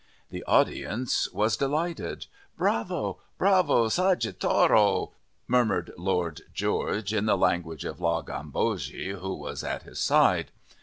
The audience was delighted. "Bravo! Bravo Sagittaro!" murmured Lord George, in the language of La Gambogi, who was at his side.